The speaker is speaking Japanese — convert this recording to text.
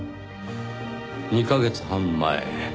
２カ月半前。